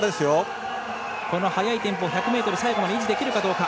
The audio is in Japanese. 速いテンポを１００ｍ最後まで維持できるかどうか。